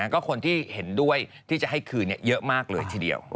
ก็คนที่เห็นด้วยที่จะให้คืนเยอะมากเลยทีเดียว